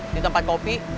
di tempat kopi